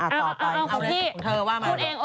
ของเธอว่ามา